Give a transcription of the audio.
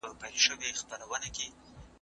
زه به هیڅکله خپل وطن هېر نه کړم.